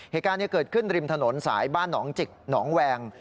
เหตุการณ์เกิดขึ้นริมถนนสายบ้านหนองจิกหนองแวง